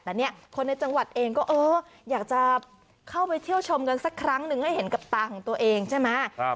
แต่เนี่ยคนในจังหวัดเองก็เอออยากจะเข้าไปเที่ยวชมกันสักครั้งหนึ่งให้เห็นกับตาของตัวเองใช่ไหม